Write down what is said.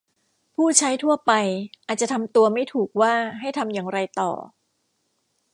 ผู้ใช้ทั่วไปอาจจะทำตัวไม่ถูกว่าให้ทำอย่างไรต่อ